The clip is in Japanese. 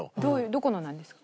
どこのなんですか？